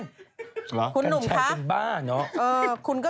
หรือน้างชัยเป็นบ้าเนอะคุณหนุ่มค่ะ